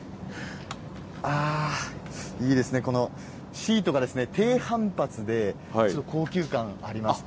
あー、いいですね、このシートが低反発で、ちょっと高級感あります。